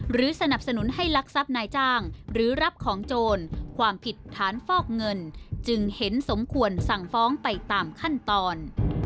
สนับสนุนให้ลักทรัพย์นายจ้างหรือรับของโจรความผิดฐานฟอกเงินจึงเห็นสมควรสั่งฟ้องไปตามขั้นตอน